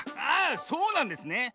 あそうなんですね！